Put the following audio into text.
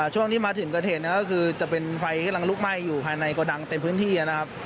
ช่วงที่มาถึงเขเทนก็ก็คือไปกำลังไม่เก็บสินค้าอยู่ภายในกระดังเต็มพื้นที่นะครับ